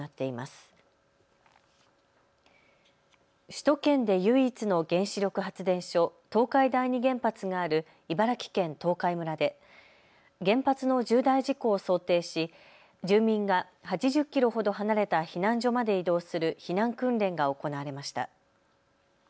首都圏で唯一の原子力発電所、東海第二原発がある茨城県東海村で原発の重大事故を想定し住民が８０キロほど離れた避難所まで移動する避難訓練が行われました。